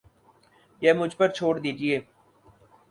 یہ مجھ پر چھوڑ دیجئے